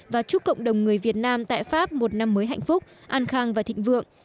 và chúc cộng đồng người việt nam tại pháp một năm mới hạnh phúc an khang và thịnh vượng